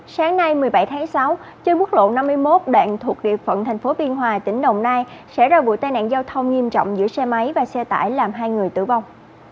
sáng nay một mươi bảy tháng sáu trên quốc lộ năm mươi một đoạn thuộc địa phận tp biên hòa tỉnh đồng nai xảy ra vụ tai nạn giao thông nghiêm trọng giữa xe máy và xe tải làm hai người tử vong